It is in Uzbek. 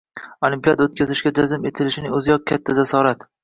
Olimpiada o‘tkazishga jazm etilishining o‘ziyoq katta jasorat.